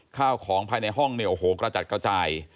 ข้าวของภายในห้องกระจัดกระจ่าย